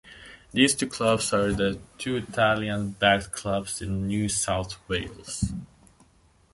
These two clubs are the two Italian backed clubs in New South Wales.